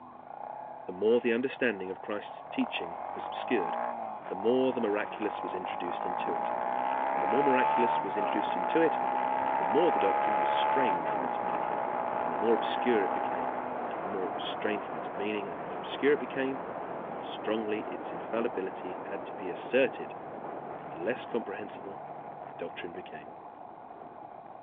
The more the understanding of Christ's teaching was obscured, the more the miraculous was introduced into it; and the more the miraculous was introduced into it, the more the doctrine was strained from its meaning and the more obscure it became; and the more it was strained from its meaning and the more obscure it became, the more strongly its infallibility had to be asserted, and the less comprehensible the doctrine became.